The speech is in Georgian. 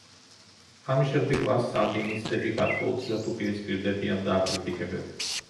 ამის შემდეგ მას სანდინისტები გარკვეულწილად უპირისპირდებიან და აკრიტიკებენ.